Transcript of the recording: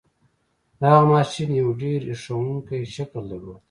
دغه ماشين يو ډېر هیښوونکی شکل درلود.